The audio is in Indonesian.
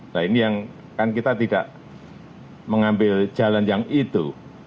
nah ini yang kan kita tidak mengambil jalan yang itu